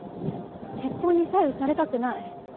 結婚に左右されたくない。